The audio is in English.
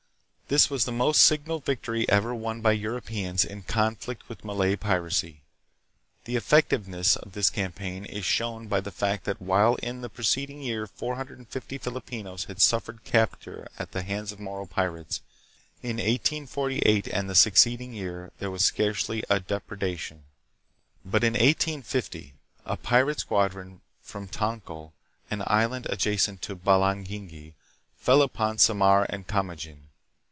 This was the most sig nal victory ever won by Europeans in conflict with Malay piracy. The effectiveness of this campaign is shown by the fact that while in the preceding year 450 Filipinos had suffered capture at the hands of Moro pirates, in 1848 and the succeeding year there was scarcely a depredation. But in 1850 a pirate squadron from Tonkil, an island adjacent to Balangingi, fell upon Samar and Kamagin.